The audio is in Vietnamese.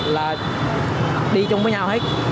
là đi chung với nhau hết